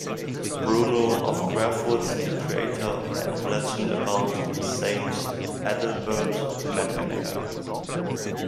Bruno of Querfurt, the creator of legend about Saint Adalbert, met him there.